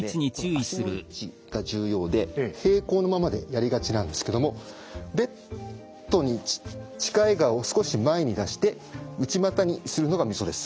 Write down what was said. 足の位置が重要で平行のままでやりがちなんですけどもベッドに近い側を少し前に出して内股にするのがみそです。